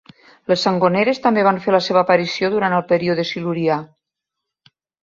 Les sangoneres també van fer la seva aparició durant el període Silurià.